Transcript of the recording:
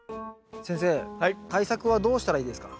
先生対策はどうしたらいいですか？